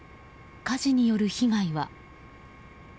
火事による被害は。